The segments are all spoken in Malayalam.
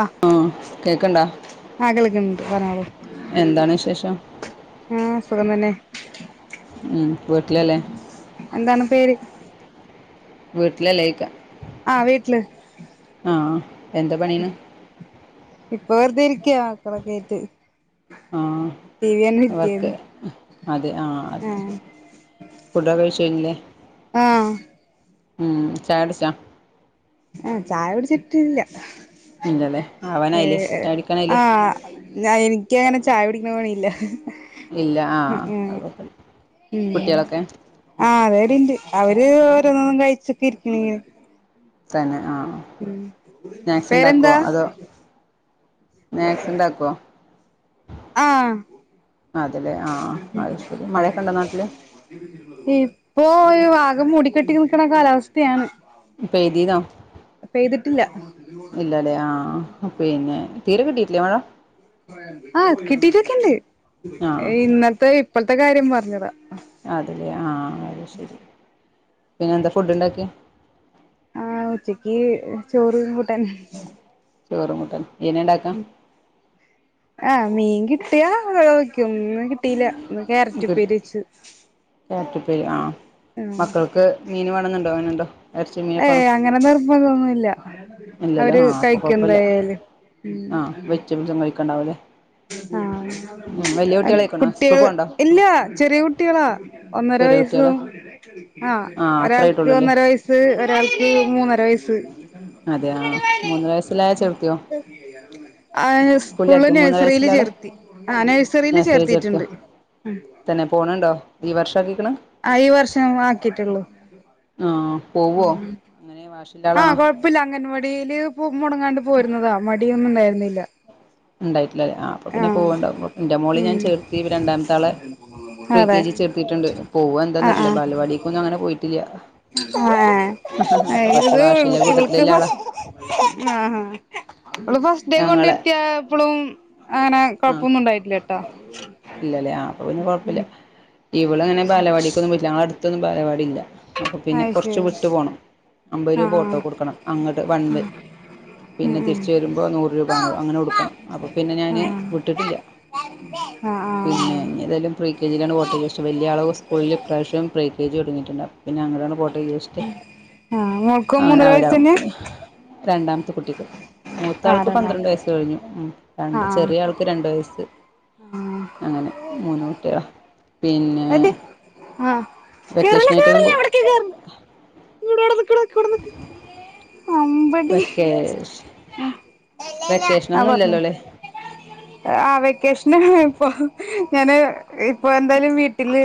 ആ കേക്കണ്ടാ ആ കേക്ക്ന്ന് ണ്ട് പറഞ്ഞളൂ. എന്താണ് വിശേഷം ആഹ സുഖം ലല്ല. ഉമ് വീട്ടിലല്ലേ? എന്താണ് പേര്? വീട്ടിലല്ലേ [unintelligible] ആഹ് വീട്ടില്. ആ എന്താ പണീണ് ഇപ്പൊ വെറുതെ ഇരിക്ക മക്കളൊ ക്കെ ആയിട്ട്. ടി വി തന്നെ ആഹ് ഒക്കെ ഇരിക്കായിരുന്നു അതെ ആ അത് ആഹ് ശരി. ഫുഡ് ക്കെ കഴിച്ചു കഴിഞ്ഞില്ലേ! ആഹ് ഉംമ് ചായ കുടിച്ചോ? ആഹ് ചായ കുടിച്ചിട്ടില്ല ഇല്ലല്ലേ ആവാനായില്ലേ ഏഹ് ചായ കുടിക്കാനായില്ലേ ആഹ് ഞാ എനിക്കങ്ങനെ ചായടിക്കാൻ കഴിയില്ല. ഇല്ല ആഹ് അ കുട്ടിളൊക്കെ. ആഹ് അവരിണ്ട് അവര് ഓരോന്നോന്നും കഴിച്ചൊക്കെ ഇരിക്കണെങ്ങനെ. തന്നെ ആഹ്. ഉമ് പേരെന്താ? മാഗ്ഗി ഉണ്ടാക്കോ? ആഹ് അതല്ലേ ആ അത് ശരി മഴയൊക്കെ ഉണ്ടോ നാട്ടില് ഇപ്പൊ വാഗം മൂടിക്കെട്ടി നിക്കണ കാലാവസ്ഥ ത്തയാണ് പെയ്തീനോ പെയ്തിട്ടില്ല അതെ ആഹ് പിന്നെ തീരെ കിട്ടീട്ടില്ലേ മഴ? ആഹ് കിട്ടീട്ടൊക്കെണ്ട് ആ ഇന്നലത്തെ ഇപ്പഴ്ത്തെ കാര്യം പറഞ്ഞതാ അതല്ലേ ആഹ് അത് ശരി പിന്നെ എന്താ ഫുഡ് ഇണ്ടാക്കിയെ? ആഹ് ഉച്ചക്ക് ചോറും [unintelligible] ചോറും കൂട്ടാനും ഇയ്യന്നെ ഉണ്ടാക്കാ ആഹ് മീൻ കിട്ടിയാ വെയ്ക്കും ഇന്ന് കിട്ടീല്ല ഇന്ന് ക്യാരറ്റ് ഉപ്പേരി വെച്ചു. ക്യാരറ്റ് ഉപ്പേരി ആഹ് മക്കൾക്ക് മീന് വേണന്ന്ണ്ടോ അങ്ങനെണ്ടോ? ഇറച്ചി മീനൊക്കെ വേണോ ഏയ് അങ്ങനെ നിർബന്ധന്നുല്ലാ ഇല്ലല്ലോ അവര് ആഹ് അപ്പൊ കഴിക്കു കൊഴപ്പല്ല എന്തായാലും ഉം [unintelligible] കഴിക്കണ്ടാവൂല്ലേ ഉം വലിയ ആഹ് എൻക് കുട്ടികളായിക്കണോ സ്കൂൾ കുട്ടിയേ പോവണ്ടോ ഇല്ല ചെറിയ കുട്ടികളാ ഒന്നര ചെറിയ കുട്ടികളാ വയസ്സും ആഹ് ഒരാൾക്ക് ഒന്നര വയസ്സ് ക്ക് ഒരാൾക്ക് മൂന്നര വയസ്സ് അതെ ആഹ് മൂന്നര വയസ്സിലായ ചേർത്തിയോ [unintelligible] സ്കൂളില് സ്കൂളിലാക്കിയോ മൂന്നര നെഴ്സറിയീല് യിൽ വയസ്സിലെ ആളെ ചേർത്തി ആഹ് നേഴ്സറിയിൽ ചേർത്തീട്ടുണ്ട് ആഹ് തെന്നെ പോണുണ്ടോ ഈ വർഷാ ആക്കിക്കണ്? ആഹ് ഈ വർഷം ആക്കിട്ടുള്ളു ആഹ് പോവോ എങ്ങനെ വാഷി ഇള്ള ആളാണോ? പ്പില്ല അങ്കൻവാടിയില് മൊടങ്ങാണ്ട് പോയിരുന്നതാ മടിയൊന്നും ഇണ്ടായിരുന്നില്ല ഇണ്ടായിട്ടില്ലല്ലേ ആഹ് അപ്പൊ പിന്നെ പോവണ്ടാവും കൊഴ് ഇന്റെ മോളേം ഞാൻ ഉം ചേർത്തി ഇപ്പോ രണ്ടാമത്താളെ ഇപ്പൊ എൽ അതെ കെ ജി യിൽ ചേർത്തിട്ടുണ്ട് പോവോ എന്തോ ആ അറീല്ല ബാലവാടിക്കൊന്നും അങ്ങനെ പോയിട്ടില്ല ആഹ് ഏഹ് കുറച്ച് വാശിയുള്ള ഇത് ഇവൾക്ക് കൂട്ടത്തിലുള്ള ആളാ ഫസ്റ്റ് ആഹ് ആഹ് ഓള് ഫസ്റ്റ് ഡേ ഞങ്ങളെ കൊണ്ടെയിരുത്തിയപ്പളും അങ്ങനെ ആ കൊഴപ്പൊന്നും ഇണ്ടായിട്ടില്ല ട്ടാ ഉം ഇവള് അങ്ങനെ ബാലവാടിക്കൊന്നും പോയിട്ടില്ല ഞങ്ങളെ അടുത്ത് ഒന്നും ബാലവാടി ഇല്ല അപ്പൊ പിന്നെ കൊറച്ച് അയ്ശരി വിട്ടു പോണം അമ്പത് ആ രൂപ ആ ഓട്ടോക്ക് കൊടുക്കണം അങ്ങോട്ട് വൺവേ ഉം പിന്നെ തിരിച്ച് വരുമ്പോ നൂറ് രൂപ അങ്ങൻ അങ്ങനെ കൊടുക്കണം അപ്പോ പിന്നെ ഞാന് ഉം ഇല്ല ആ ആ പിന്നെ ആ ഏതായാലും പ്രീ കെ ജിയിൽ ആട്ട് പോട്ടെന്ന് വിചാരിച്ചു വല്യാളെ സ്കൂളിൽ ഈ പ്രാവശ്യം പ്രീ കെ ജി തൊടങ്ങിട്ടുണ്ട് അപ്പ പിന്നെ അങ്ങട് ആണ് പോട്ടെന്ന് വിചാരിച്ചു ആഹ് മോൾക്കും അങ്ങനെ മൂന്നര അവരാവുമ്പോ വയസ്സന്നെ പിന്നെ രണ്ടാമത്തെ കുട്ടിക്ക് മൂത്ത ആഹ് ആൾക്ക് പന്ത്രണ്ട് രണ്ടാമത്തെ വയസ്സ് കഴിഞ്ഞു ഉം രണ്ട് ആഹ് ചെറിയ ആൾക്ക് പ്പോ രണ്ട് വയസ്സ് അങ്ങനെ മൂന്ന് കുട്ടികളാ പിന്നെ എടി വെക്കേഷനായിട്ട് എങ്ങും പോ ! ! ! ! ! ! ! ! ! !! ! ! ! ! ! ! ! ! ! വെക്കേഷൻ ആഹ് വെക്കേഷെനൊന്നും പറഞ്ഞോ ഇല്ലല്ലോല്ലേ? ആഹ് വെക്കേഷന് ഇപ്പൊ ഞാന് ഇപ്പൊ എന്തായാലും വീട്ടില്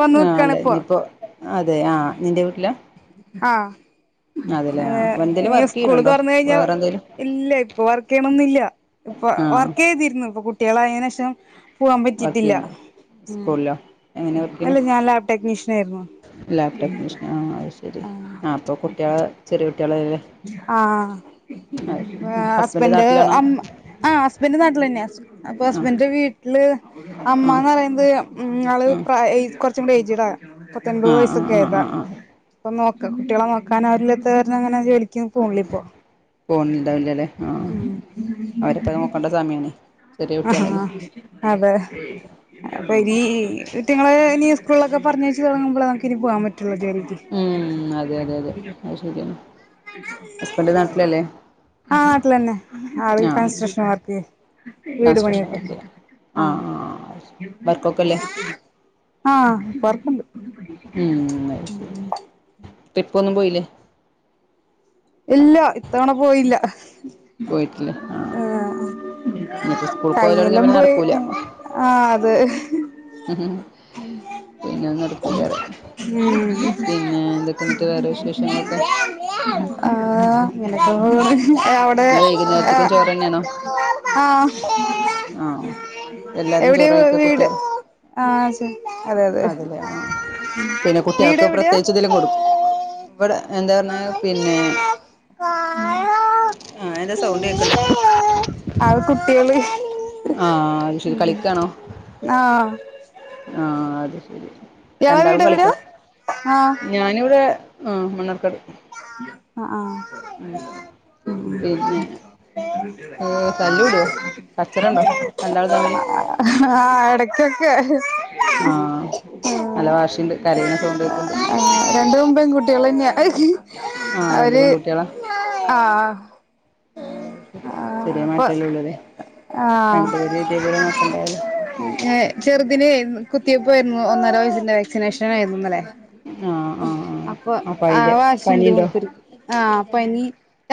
വന്ന് ആഹ് അല്ലെ നിക്കാണിപ്പോ ഇനിയിപ്പോ അതെ ആഹ് നിന്റെ വീട്ടിലാ? ആഹ് അതെല്ലേ ഏഹ് ആഹ് എന്തേലും ഇനി വർക്ക് സ്കൂള് ചെയ്യണുണ്ടോ തൊറന്നു കഴിഞ്ഞാ വേറെ എന്തേലും ഇല്ല ഇപ്പൊ വർക്ക് ചെയ്യണൊന്നില്ല ഇപ്പൊ ആഹ് വർക്ക് ചെയ്തിരുന്നു ഇപ്പൊ കുട്ടിയേള് ആയേന് ശേഷം പോവാൻ വർക്ക് പറ്റീട്ടില്ല ചെയ്യണ്ടോ സ്കൂളിലോ എങ്ങനെ വർക്കെയ്യെണെ ലാബ് ടെക്നീഷ്യൻ ആയിരുന്നു ലാബ് ടെക്നീഷ്യൻ ആഹ് അത് ശരി ആഹ് [unintelligible] കുട്ടിയാളെ ചെറിയ കുട്ടിയേള് ആഹ് ശരി ആഹ് ഹസ്ബൻഡ് നാട്ടിലാണോ അമ്മ ആഹ് ഹസ്ബൻഡ് നാട്ടിലെന്നെയാ സ് അപ്പൊ ആ ഹസ്ബൻഡൻ്റ് വീ ട്ടില് ആ അമ്മാന്ന് പറയുന്നത് ഉം ആള് ആ ആ പ്രായ ഈ കൊറച്ചും കൂടി ഏയ്ജ്ഡാ കൊ ഇപ്പൊ എൺപത് ആ വയസ്സൊക്കെ ആ ആ ആയതാ ആ അപ്പ നോക്കാ കുട്ടികളെ നോക്കാൻ ആരും ഇല്ലാത്തത് കാരണം അങ്ങനെ ജോലി ക്യാ പോൺല്യ ഇപ്പൊ പോകുന്നുണ്ടാവില്ലല്ലേ ആ അവരിപ്പോൾ നോക്കേണ്ട സമയമാണ് ചെറിയ ഉം കുട്ടികളല്ലേ ആഹ്. അതെ. അപ്പൊ ഇനി ഇറ്റിങ്ങളെ ഇനി സ്കൂളിലൊക്കെ പറഞ്ഞയ്ച്ച് തുടങ്ങുമ്പളെ നമുക്ക് ഇനി പോവാൻ പറ്റുള്ളൂ ജോലി ഉം അതെ അതെ അതെ. ശരിയാണ് ഹസ്ബൻഡ് ! നാട്ടിലല്ലേ ! ! ! ! ! ! ! ! ! ആ നാട്ടിലെന്നെ ആള് ആ കൺസ്ട്രക്ഷൻ വർക്ക് വീട് കൺസ്ട്രക്ഷൻ പണിയൊക്കെ വർക്കിലാണ് ആ ആഹ് ആ അത് ശരി വർക്കൊക്കെ അല്ലേ ആഹ്‌ വർക്കുണ്ട്. ഉം, അത് ഉം. ശരി ട്രിപ്പൊന്നും പോയിലേ? ഇല്ല ഇത്തവണ പോയില്ല. പോയിട്ടില്ലേ ആ. ഇഞ്ഞ്പ്പ സ്കൂൾക്കോവലൊടങ്ങ്യാ കഴിഞ്ഞൊല്ലം പിന്നെ പോയി നട്ക്കൂല. ആ അത് മ്. പിന്നെ ഒന്നും നടക്കൂലറ്യാ പിന്നെ എന്തൊക്ക എന്നിട്ട് വേറെ വിശേഷങ്ങളൊക്കെ? ആ അങ്ങനൊക്കേ പോണ് അവ് ടെ ഇനി വൈകുന്നേരത്തേക്കും ചോറ് തന്നെയാണോ ആ ആഹ്. ആഹ് എല്ലാരും എവിടെ ചോറ് കഴിക്കാ വീട് കുട്ടികള് ആ ശെ അതെ അതെ. അതല്ലേ ആഹ് പിന്നെ വീട് കുട്ട്യാൾക്ക് എവിടെയാ പ്രത്യേകിച്ചെത്തെലും കൊട്ക്കും ഇവ്ടെ എന്താ പർഞ്ഞേ പിന്നെ [unintelligible] ആര സൗണ്ടേക്ക്ണ്ടല്ലോ? ആത് കുട്ട്യള്. ആ അത് ശെരി കളിക്കാണോ ആ ആ അത് ശെരി. ഇയാളെ രണ്ടാളും വീട് കളിക്ക എവിടെയാ ആ ഞാനിവിടെ ആ മണ്ണാർക്കാട്. ആഹ് ആ. ഉം പിന്നെ? തല്ലൂടോ കച്ചറണ്ടോ രണ്ടാളും തമ്മില്? ആഹ് ആഹ് എടക്ക്. നല്ല വാശിയുണ്ട് കരയണ സൗണ്ട് കേൾക്കണ്ട് ക്കെട്ക്ക്. ആ രണ്ടും പെൺകുട്ട്യളെന്ന്യാ. ആഹ് രണ്ട് അവര് പെൺകുട്ടികളാ ആ ആ ചെറ്യായ മാറ്റല്ലെള്ളൂല്ലേ. ആഹ്. ചെർതിന് കുത്തിവെപ്പായിരുന്നു ഒന്നര വയസിന്റെ വാക്സിനേഷൻ ആയിരുന്നുന്നലെ. ആഹ് ആഹ് ആഹ് അപ്പൊ അയിന്റെ ആവാശി ഇണ്ട് പനിണ്ടോ മൂപ്പര്ക്ക് ആ പനി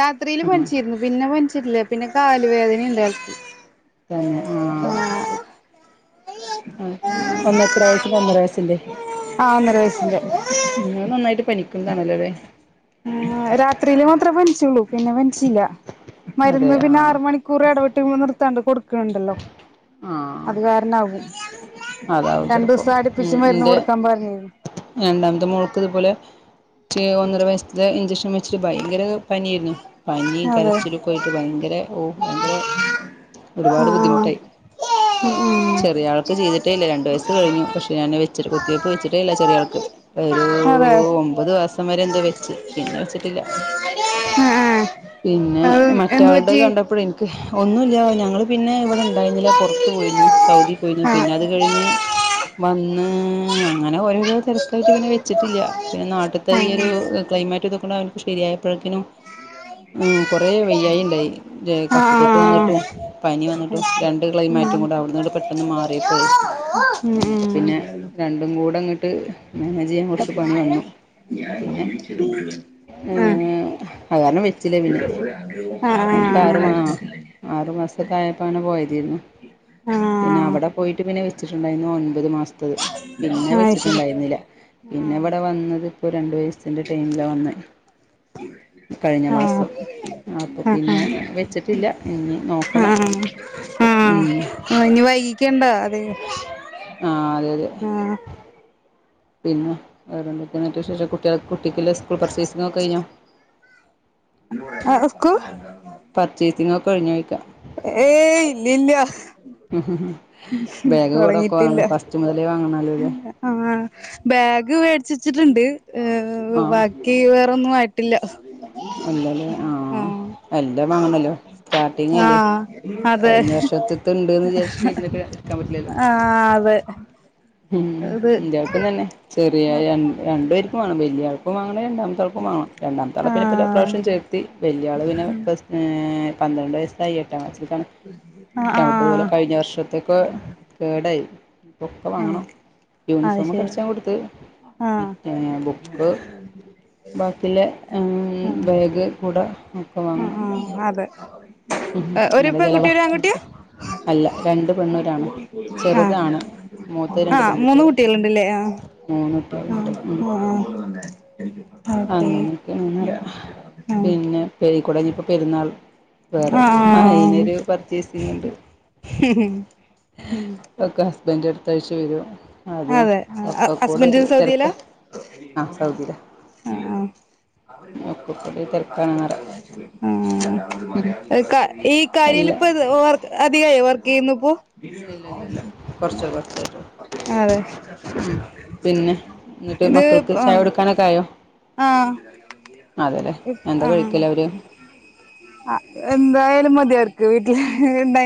രാത്രില് ആഹ് പൻച്ചിര്ന്നു. പിന്നെ പൻച്ചിട്ടില്ല പിന്നെ കാല് വേദന ഇണ്ടായിട്ടൊ തന്നെ ആ അത് ശെരി. ആ ഒന്ന എത്ര വയസ്സിന്റെ ഒന്നര വയസ്സിന്റെ? ആ ഒന്നര വയസിന്റെ. അത് നന്നായിട്ട് പനിക്കുന്നതാണല്ലോലെ. ആ രാത്രില് മാത്ര പൻച്ചുള്ളൂ പിന്നെ പൻച്ചില്ല അതെ മര്ന്ന് പിന്നെ ആഹ് ആറ് മണി ക്കൂറെടവ്ട്ട് മ്മൾ നിർത്താണ്ട് കൊടുക്ക്ണ്ടല്ലോ. ആഹ് അത് കാരണാകും അതാവും രണ്ടു ചെലപ്പോ ദിവസം അടുപ്പിച്ച് ഉം മരുന്ന് ഇന്റെ കൊടുക്കാൻ പർഞ്ഞ രണ്ടാമത്തെ മോൾക്ക് ഇത്പോലെ ഒന്നര വയസ്സ്ത്തെ ഇഞ്ചക്ഷൻ മെ ച്ച് ഭയങ്കര പന്യാരുന്നു പനിം കരച്ചിലും അതെ ക്കായിട്ട് ഭയങ്കര ഓ ഭയങ്കര ഒരുപാട് ബുദ്ധിമുട്ടായി. ചെറ്യാൾക്ക് ചെയ്തിട്ടേല്ല രണ്ട് വയസ് കഴിഞ്ഞു പക്ഷേ ഞാന് അത് വെച്ചി കുത്തിവെപ്പ് വെച്ചിട്ടേല്ല ചെറ്യാൾക്ക്. ഒരൂ അതെ ഒമ്പത് മാസം വരെ എന്തോ വെച്ച് പിന്നെ വെച്ചിട്ടില്ല. ആ ആ പിന്നെ അത് എന്ത് മറ്റാൾടെ പറ്റി കണ്ടപ്പഴേ ഒന്നുല്ല ഞങ്ങള് പിന്നെ ഇവിടെ ഉണ്ടായിരുന്നില്ല പുറത്ത് പോയിരുന്നു സൗദി പോയിരുന്നു പിന്നെ അത് കഴിഞ്ഞ് വന്ന് അങ്ങനെ ഓരോരോ തിരക്കായിട്ട് പിന്നെ വെച്ചിട്ടില്ല പിന്നെ നാട്ട് ത്തെ ആ ഈയോരു ആ ക്ലൈമാറ്റ് ഇതൊക്കൊണ്ട അവൻക്ക് ശരിയായപ്പയ്ക്കിനും ഉം കൊറെ വെയ്യായിണ്ടായി ആ കഫക്കെട്ട് വന്നിട്ടും പനി വന്നിട്ടും രണ്ട് ക്ലൈമാറ്റും കൂടെ അവിട്ന്നണ്ട് പെട്ടെന്ന് മാറിയപ്പോഴ പിന്നെ രണ്ടും കൂടെങ്ങട്ട് മാനേജയ്യാൻ കൊറച്ച്പണിവന്നു ഉം ഏഹ് അത്കാരണം വെച്ചിലെ പിന്നെ അൻക്കാർ മാ ആറു മാസക്കായപ്പാണ് പോയെ പിന്നെ പിന്നെ അവിടെ പോയിട്ട് പിന്നെ വെച്ചിട്ടുണ്ടായിരുന്നു ഒൻപത് മാസ ത്തത് പിന്നെ വെച്ചിട്ടുണ്ടായിരുന്നില്ല പിന്നെ ഇവിടെ വന്നതിപ്പോ രണ്ട് വയസ്സ് ബസിൻ്റെ ടൈമിലവന്നെ കഴിഞ്ഞമാസം അപ്പ പിന്നെ വെച്ചിട്ടില്ല ഇനിനോക്കണം ഉം ആഹ് ഇനി വൈകിക്കണ്ട അതെ ആഹ് അതെ അതെ പിന്നെ വേറെന്തക്കേന്നട്ട് വിശേഷം കുട്ട്യേൾ കുട്ടിക്കെല്ലാം സ്കൂൾ പർച്ചേസിങ്ങൊക്കെ കഴിഞ്ഞോ അഹ് സ്കൂ പർച്ചേസിങ്ങൊക്കെഴിഞ്ഞോഴിക്കാ ഏയ് ഇല്ല ഇല്ല ബാഗ് കൊടൊക്കെ വാങ്ങും തൊടങ്ങിട്ടില്ല ഫസ്റ്റ്മുതലേ വാങ്ങണല്ലോല്ലേ ആഹ് ബാഗ് മേടിച്ചച്ചിട്ടുണ്ട് ആഹ് ബാ കീ വേറൊന്നും ആയിട്ടില്ല ഇല്ലലേ ആഹ് എല്ലംവാങ്ങണല്ലോ സ്റ്റാർട്ടിങ്ല്ലേ ആഹ് അതെ കഴിഞ്ഞ വർഷത്ത്ത്തണ്ട്ന്ന് വിചാരിച്ചിട്ട് ഇരുന്നിട്ട് ഇട്ക്കാൻ പറ്റിലല്ലോ ആഹ് അതെ ഉം ഇത് ഇന്ത്യാൾക്കും തന്നെ ചെറിയ ര രണ്ടു പേർക്കും വേണം വല്യാൾക്കും വാങ്ങാണെ രണ്ടാമ ത്തോൾക്കും വാങ്ങണം രണ്ടാമത്താളെ പിന്നെ ആഹ് ഇപ്രാവശ്യം ചേർത്തി വല്യആള്പിന്നെ പ്ലസ് ഏ പന്ത്രണ്ട് വയസ് കയ്യട്ടെ എട്ടിൽക്കാണ് ആഹ് നമുക്ക്തുപോലെ ആഹ് കഴിഞ്ഞ വർഷത്തേക്ക് കേടായി ഇപ്പൊക്കെ ആഹ് വാങ്ങണം അത് യൂണിഫോമൊക്കെ ശരി അടിച്ചാൻകൊടുത്ത് ആഹ് മറ്റെ ബുക്ക് ബാക്കില്ലെ ഉ ആഹ് ബാഗ് കൂടെ ആഹ് ഒക്കെവാങ്ങണം ആഹ് അതെ ഉ ഒരു നല്ല പെൺകുട്ടി ചെലവാ ഒരു ആൺകുട്ടിയാ അല്ല രണ്ട് പെണ്ണൂരാണും ആഹ് ചെറുതാണ് മൂത്തത് രണ്ട് ആഹ് മൂന്ന് പെൺകുട്ടികൾ കുട്ടികള്ണ്ട്ല്ലേ മൂന്ന് ആഹ് കുട്ടികളുണ്ട് അതെ ക്കെണ്ന്നര പിന്നെ പേരരിക്കുട ഇനിപ്പോ പെരുന്നാൾ വേറെ ആഹ് അയിനൊരു പർച്ചേസിംഗ്ണ്ട് ഉം പ്പക്കെ ഹസ്ബൻഡ് അടുത്തആഴ്ചവരും അതെ ഹസ്ബൻഡ് സൗദിലാ ആ സൗദിയിലാണ് ആഹ് അവര് പോകാൻ ഒക്കെ കൂടെ തിരക്കാണെന്ന് പറയാം എല്ലാം സാധ്യതയുള്ളരു ! ! ! ! ! ! ! ! ! ! അധികായൊ വർക്കെയ്യുന്നുപ്പോ ഇല്ല ഇല്ല ഇല്ല കുറച്ച് കുറച്ചായിട്ടോ അതെ ഉം പിന്നെ എന്നിട്ട് മക്കൾക്ക് ചായടുക്കാനൊക്കായോ ആഹ് എന്താ ആഹ് കഴിക്കല് അവര് ആ എന്തായാലും മതി ഓര്ക്ക് വീട്ടില് ഇണ്ട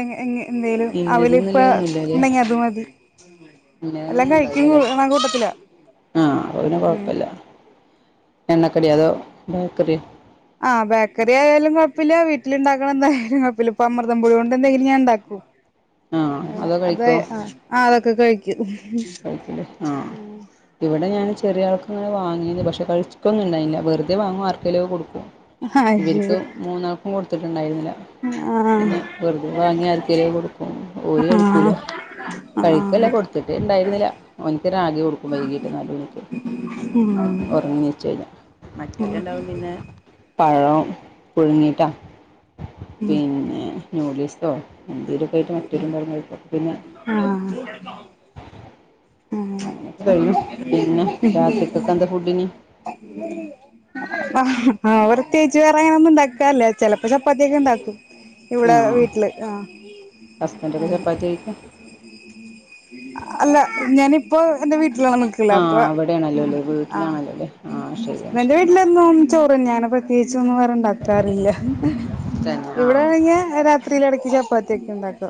എന്തേലും ഇന്നത് അവലിപ്പ ഇന്നലെയൊന്നുമില്ലല്ലേ ഉണ്ടെങ്കി അത് മതി ഇന്നതൊന്നും എല്ലംകഴിക്കും ഉണ്ടാവില്ലല്ലേ ണെ കൂട്ടത്തില ആഹ് അപ്പപിന്നെ ഉം കൊഴപ്പല്ല എണ്ണക്കടി അതോ ബേക്കറിയോ ആഹ് ബേക്കറിയായാലും കുഴപ്പില്ല വീട്ടിലിണ്ടാക്കണ എന്തായാലും കുഴപ്പില്ല ഇപ്പ അമൃതം പൊടീണ്ട് എന്തെങ്കിലും ഞാൻ ഉണ്ടാക്കും ആഹ് അതോ അത കഴിക്കോ ആഹ് അതൊക്കെ കഴിക്കും ആഹ് ഇവിടെ ഞാൻ ചെറിയാൾക്ക് അങ്ങനെ വാങ്ങിന്ന് പക്ഷെ കഴിചിട്ടൊന്നും ഉണ്ടായില്ല വെറുതെ വാങ്ങും ആർക്കേലും ഒക്കെ കൊടുക്കും ആഹ് ഇവർക്ക് മൂന്നാൾക്കും കൊടുത്തിട്ടുണ്ടായിരുന്നില്ല ആഹ് പിന്നെ വെറുതെ വാങ്ങി ആർക്കെലുമൊക്കെ കൊടുക്കും ഓര് കഴിക്കൂല ആഹ് കഴുക്കെല്ലാം ആഹ് കൊടുത്തിട്ട് ഇണ്ടായിരുന്നില്ല ഓന്ക്ക് റാഗി കൊടുക്കും വൈകീട്ട് നാല് മണിക്ക് ഉറങ്ങ വച്ച് കഴിഞ്ഞ മറ്റവരും ഉണ്ടാവും പിന്നെ പഴം പുഴുങ്ങീട്ട പിന്നെ ഇമ്ലീസ്സോ എന്തെങ്കിലൊക്കെ ഇട്ട് മറ്റ് രണ്ടാളും [unintelligible] ആഹ് അങ്ങനെയൊക്കെ [unintelligible] കഴിയും പിന്നെ രാത്രിക്കൊക്കെ എന്താ ഫുഡിന് ആഹ് പ്രത്യേകിച്ച് വേറെ അങ്ങനെ ഒന്നും ഇണ്ടാക്കാൻ ഇല്ല. ചെലപ്പോ ചപ്പാത്തിയൊക്കെ ഇണ്ടാക്കും. ഇവിടെ ആഹ് വീട്ടില് ആഹ് ഹസ്ബൻഡൊക്കെ അങ്ങനെ ചപ്പാത്തി കഴിക്കും അല്ല ഞാനിപ്പോ എന്റെ വീട്ടിലാണ് നി ക്കല് ആഹ് അപ്പോ അവിടെയാണല്ലോ അല്ലേ ആഹ് ആഹ് വീട്ടിലാണല്ലോ അല്ലേ ആഹ് ശരിയാണ് ഹസ്ബൻ്റെ ശരി വീട്ടിലെന്നും ചോറ് തന്നെയാണ് പ്രത്യേകിച്ചൊന്നും വേറെ ഇണ്ടാക്കാറില്ല. തന്നെ ആഹ് ഇവിടെണെങ്കി രാ രാത്രിയില് എടക്ക് ചപ്പാത്തിയൊക്കെ ഇണ്ടാക്ക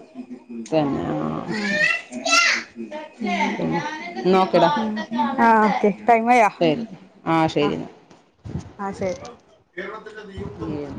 തന്നെ ആഹ് പിന്നെ എന്നാ ആഹ് ആഹ് ഓക്കെ ടൈം ആയോ ശെരി ആഹ് ശെരി ന്നാ ആഹ് ശെരി. എന്നാ